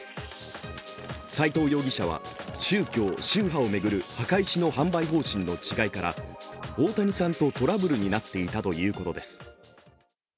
斉藤容疑者は宗教・宗派を巡る墓石の販売方針の違いから大谷さんとトラブルになっていたということです。